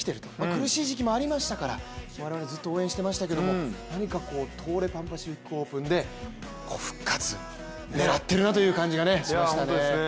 苦しい時期もありましたから我々ずっと応援してましたけど何か東レ・パン・パシフィックオープンで復活、狙っているなという感じがしましたね。